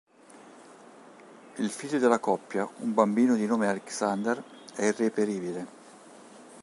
Il figlio della coppia, un bambino di nome Alexander, è irreperibile.